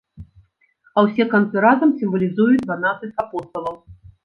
А ўсе канцы разам сімвалізуюць дванаццаць апосталаў.